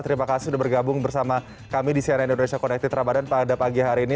terima kasih sudah bergabung bersama kami di cnn indonesia connected ramadhan pada pagi hari ini